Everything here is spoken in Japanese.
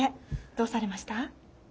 どうされました？